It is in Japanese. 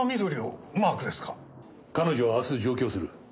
彼女は明日上京する。